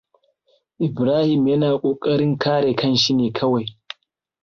Ibrahim yana kokarin kare kanshi ne kawai.